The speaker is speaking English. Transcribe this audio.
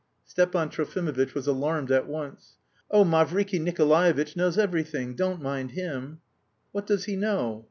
Stepan Trofimovitch was alarmed at once. "Oh, Mavriky Nikolaevitch knows everything, don't mind him!" "What does he know?"